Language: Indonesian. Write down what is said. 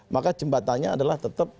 maka jembatannya adalah tetap